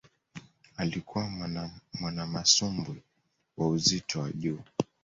Alikuwa mwanamasumbwi wa uzito wa juu